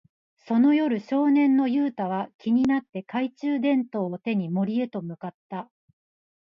その夜、少年のユウタは気になって、懐中電灯を手に森へと向かった。